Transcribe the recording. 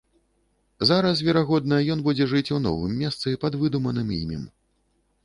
Зараз, верагодна, ён будзе жыць у новым месцы пад выдуманым імем.